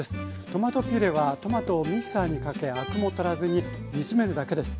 トマトピュレはトマトをミキサーにかけアクも取らずに煮詰めるだけです。